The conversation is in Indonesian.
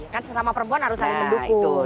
kan sesama perempuan harus saling mendukung